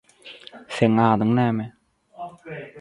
Seniň adyň näme?